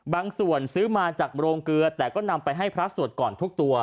ซื้อมาจากโรงเกลือแต่ก็นำไปให้พระสวดก่อนทุกตัว